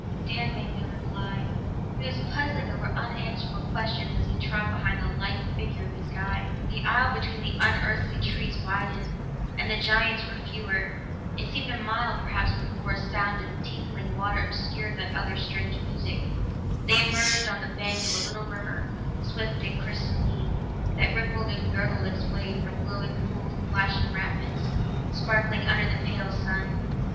Dan made no reply; he was puzzling over unanswerable questions as he trod behind the lithe figure of his guide. The aisle between the unearthly trees widened, and the giants were fewer. It seemed a mile, perhaps, before a sound of tinkling water obscured that other strange music; they emerged on the bank of a little river, swift and crystalline, that rippled and gurgled its way from glowing pool to flashing rapids, sparkling under the pale sun.